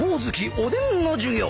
おでんの授業。